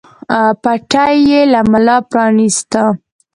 پټۍ يې له ملا پرانېسته.